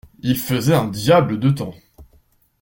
Il faisait un diable de temps.